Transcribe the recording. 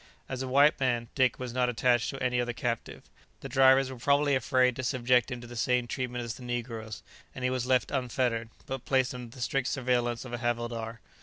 As a white man, Dick was not attached to any other captive. The drivers were probably afraid to subject him to the same treatment as the negroes, and he was left unfettered, but placed under the strict surveillance of a havildar.